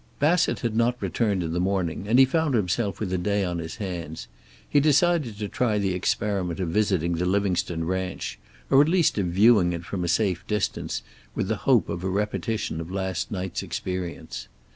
Bassett had not returned in the morning, and he found himself with a day on his hands. He decided to try the experiment of visiting the Livingstone ranch, or at least of viewing it from a safe distance, with the hope of a repetition of last night's experience.